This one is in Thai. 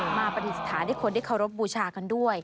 ปฏิสถานให้คนได้เคารพบูชากันด้วย